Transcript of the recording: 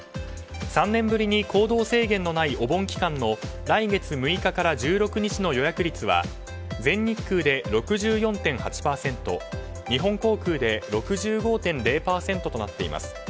３年ぶりに行動制限のないお盆期間の来月６日から１６日の予約率は全日空で６４．８％日本航空で６５．０％となっています。